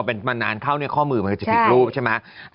พอบรรนาญเท่านี้ข้อมือมันจะผิดรูปใช่ไหม